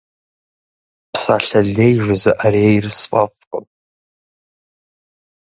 Псалъэ лей жызыӏэрейр сфӏэфӏкъым.